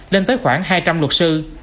lên tới khoảng hai trăm linh luật sư